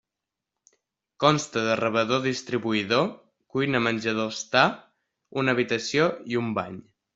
Consta de rebedor-distribuïdor, cuina-menjador-estar, una habitació i un bany.